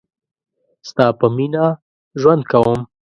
ستا په میینه ژوند کوم